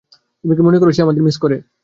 তুমি কি মনে করো সে আমাদের মিস করে?